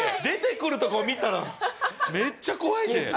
出てくるとこ見たらめっちゃ怖いって！